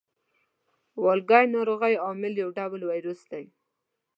والګی ناروغۍ عامل یو ډول ویروس دی.